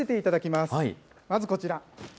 まずこちら。